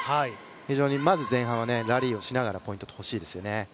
非常にまず前半はラリーをしながらポイントが欲しいですよね。